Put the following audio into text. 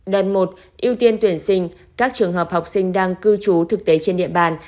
đợt một ưu tiên tuyển sinh các trường hợp học sinh đang cư trú thực tế trên địa bàn